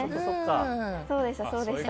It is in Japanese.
そうでした。